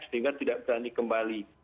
sehingga tidak berani kembali